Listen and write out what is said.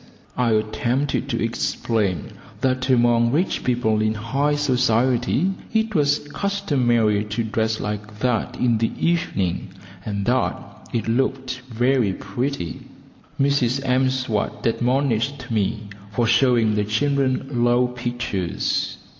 I attempted to explain that among rich people in high society it was customary to dress like that in the evening, and that it looked very pretty. Mrs M'Swat admonished me for showing the children low pictures.